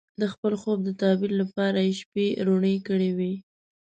د خپل خوب د تعبیر لپاره یې شپې روڼې کړې وې.